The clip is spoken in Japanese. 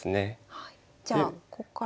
じゃあこっから。